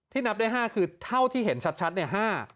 นับได้๕คือเท่าที่เห็นชัดเนี่ย